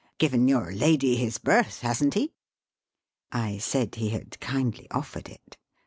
Given your lady his berth, hasn't he ?" I said he had kindly offered it.